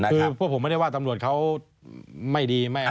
คือพวกผมไม่ได้ว่าตำรวจเขาไม่ดี